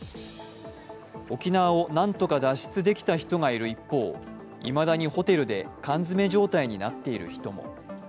沖縄をなんとか脱出できた人がいる一方いまだにホテルで缶詰状態になっている人も。